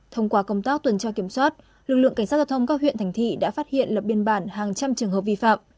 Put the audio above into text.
thông qua công tác tuần tra kiểm soát lực lượng cảnh sát giao thông các huyện thành thị đã phát hiện lập biên bản hàng trăm trường hợp vi phạm